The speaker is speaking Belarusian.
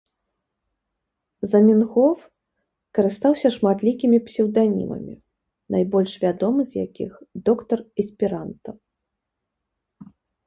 Заменгоф карыстаўся шматлікімі псеўданімамі, найбольш вядомы з якіх — Доктар Эсперанта